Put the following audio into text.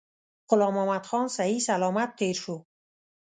غلام محمدخان صحی سلامت تېر شو.